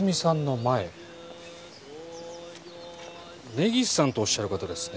根岸さんとおっしゃる方ですね。